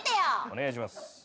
お願いします。